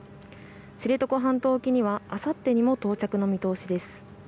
知床半島沖にはあさってにも到着の見通しです。